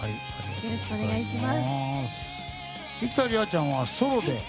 よろしくお願いします。